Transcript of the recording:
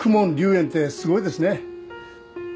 炎ってすごいですね